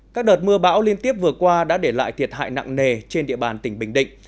các đợt mưa bão liên tiếp vừa qua đã để lại thiệt hại nặng nề trên địa bàn tỉnh bình định